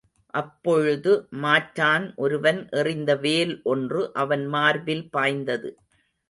அப்பொழுது மாற்றான் ஒருவன் எறிந்த வேல் ஒன்று அவன் மார்பில் பாய்ந்தது.